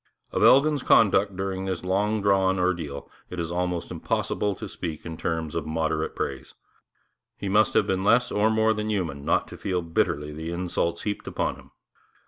Of Elgin's conduct during this long drawn ordeal it is almost impossible to speak in terms of moderate praise. He must have been less or more than human not to feel bitterly the insults heaped upon him.